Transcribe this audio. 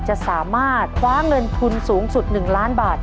จะสามารถคว้าเงินทุนสูงสุด๑ล้านบาท